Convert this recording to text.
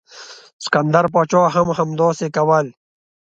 سکندر پاچا هم همداسې کول.